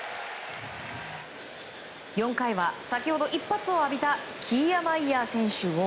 ４回は先ほど一発を浴びたキーアマイヤー選手を。